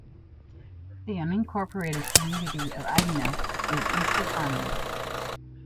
The unincorporated community of Eidenau is east of Harmony.